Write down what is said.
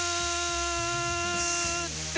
って